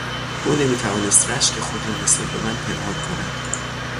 او نمیتوانست رشک خود را نسبت به من پنهان کند.